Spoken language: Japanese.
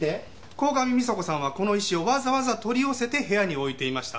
鴻上美沙子さんはこの石をわざわざ取り寄せて部屋に置いていました。